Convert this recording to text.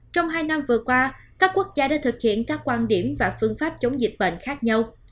trong hai năm vừa qua các quốc gia đã thực hiện các quan điểm và phương pháp chống dịch bệnh khác nhau